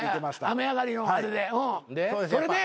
雨上がりのあれでそれで？